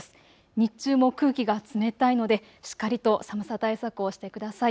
日中も空気が冷たいのでしっかりと寒さ対策をしてください。